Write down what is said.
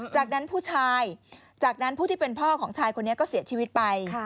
จากนั้นผู้ชายจากนั้นผู้ที่เป็นพ่อของชายคนนี้ก็เสียชีวิตไป